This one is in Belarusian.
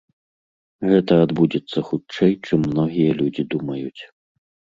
Гэта адбудзецца хутчэй, чым многія людзі думаюць.